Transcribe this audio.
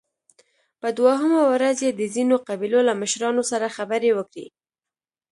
په دوهمه ورځ يې د ځينو قبيلو له مشرانو سره خبرې وکړې